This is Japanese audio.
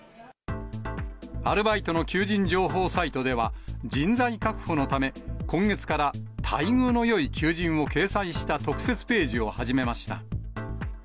アルバイトの求人情報サイトでは、人材確保のため、今月から待遇のよい求人を掲載した特設ページを始めました。